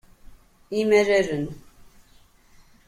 Imalalen.